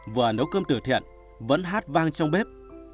vừa nấu cơm từ thiện vẫn hát vang trong bếp